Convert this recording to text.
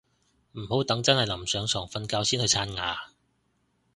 唔好等真係臨上床瞓覺先去刷牙